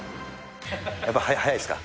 やっぱり速いですか。